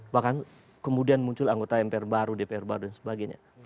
bahkan kemudian muncul anggota mpr baru dpr baru dan sebagainya